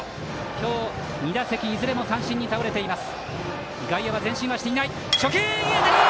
今日、２打席いずれも三振に倒れています。